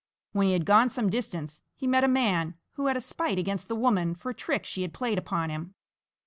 When he had gone some distance, he met a man who had a spite against the woman for a trick she had played upon him.